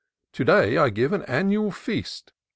To day I give an annual feast.